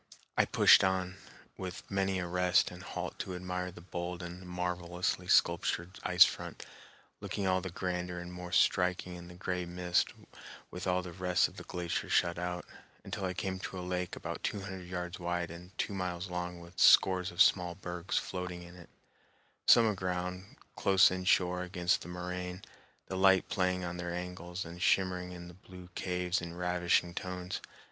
I pushed on, with many a rest and halt to admire the bold and marvelously sculptured ice front, looking all the grander and more striking in the gray mist with all the rest of the glacier shut out, until I came to a lake about two hundred yards wide and two miles long with scores of small bergs floating in it, some aground, close inshore against the moraine, the light playing on their angles and shimmering in their blue caves in ravishing tones.